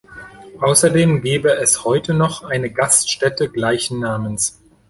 Außerdem gebe es heute noch eine Gaststätte gleichen Namens.